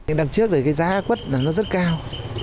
năm trước thì giá quất nó rất cao